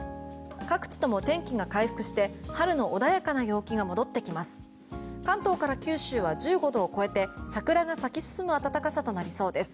各地とも天気が回復して春の穏やかな陽気が戻ってきます。